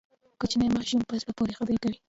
کوچنی ماشوم په زړه پورې خبرې کوي.